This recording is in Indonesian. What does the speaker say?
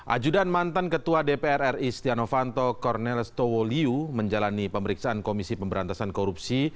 ajudan mantan ketua dpr ri stiano fanto cornelis towoliu menjalani pemeriksaan komisi pemberantasan korupsi